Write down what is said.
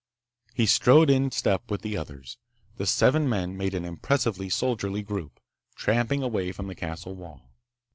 He strode in step with the others. The seven men made an impressively soldierly group, tramping away from the castle wall.